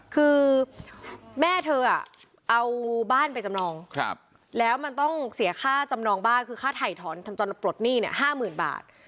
คือแม่เธอเอาบ้านไปจำนองแล้วมันต้องเสียค่าจำนองบ้านคือค่าถ่ายถอนทำจนปลดหนี้เนี่ย๕๐๐๐บาท